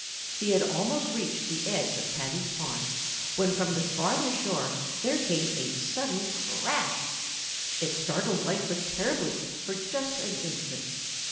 He had almost reached the edge of Paddy's pond when from the farther shore there came a sudden crash. It startled Lightfoot terribly for just an instant.